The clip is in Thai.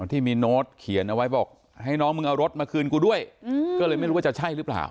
ที่มีโน้ตเขียนเอาไว้บอกให้น้องมึงเอารถมาคืนกูด้วยก็เลยไม่รู้ว่าจะใช่หรือเปล่า